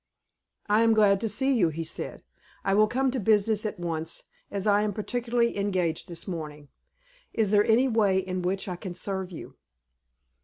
"I am glad to see you," he said. "I will come to business at once, as I am particularly engaged this morning. Is there any way in which I can serve you?"